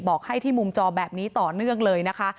บอกให้ที่มุมจอแบบนี้ต่อเนื่องเลยนะคะ